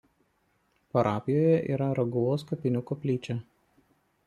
Parapijoje yra Raguvos kapinių koplyčia.